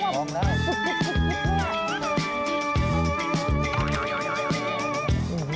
โอ้โฮมันออกแล้ว